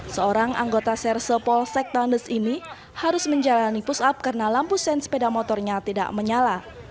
seorang anggota sersepol sektandes ini harus menjalani push up karena lampu sen sepeda motornya tidak menyala